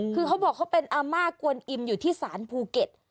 คือเขาบอกเขาเป็นอาม่ากวนอิมอยู่ที่ศาลภูเก็ต